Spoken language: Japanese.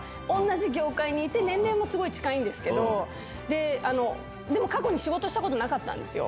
そのなんか、同じ業界にいて、年齢もすごい近いんですけど、でも過去に仕事したことなかったんですよ。